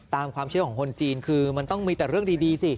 ตามความเชื่อของคนจีนคือมันต้องมีแต่เรื่องดีสิ